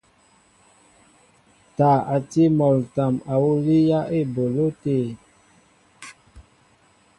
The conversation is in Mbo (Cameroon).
Taa a tí mol ǹtam awǔ líyá eboló te.